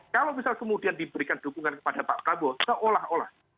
kalau misal kemudian diberikan dukungan kepada pak prabowo seolah olah